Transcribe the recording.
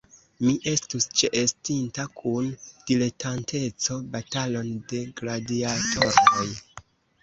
Mi estus ĉeestinta kun diletanteco batalon de gladiatoroj.